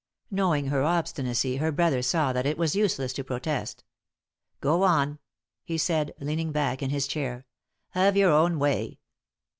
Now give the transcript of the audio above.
Knowing her obstinacy, her brother saw that it was useless to protest. "Go on," he said, leaning back in his chair. "Have your own way."